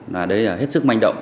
và đây là hết sức manh động